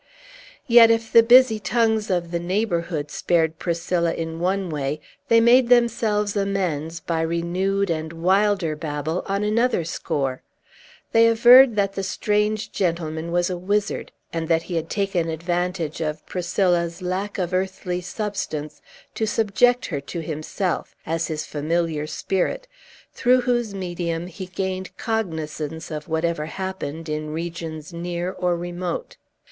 Yet, if the busy tongues of the neighborhood spared Priscilla in one way, they made themselves amends by renewed and wilder babble on another score. They averred that the strange gentleman was a wizard, and that he had taken advantage of Priscilla's lack of earthly substance to subject her to himself, as his familiar spirit, through whose medium he gained cognizance of whatever happened, in regions near or remote.